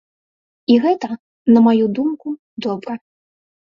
І гэта, на маю думку, добра.